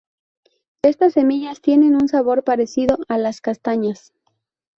Estas semillas tienen un sabor parecido a las castañas.